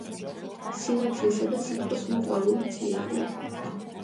სინათლისა და სითბოს მოყვარული მცენარეა.